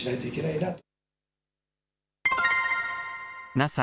ＮＡＳＡ